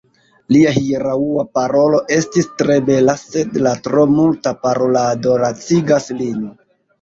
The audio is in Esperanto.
Lia hieraŭa parolo estis tre bela, sed la tro multa parolado lacigas lin.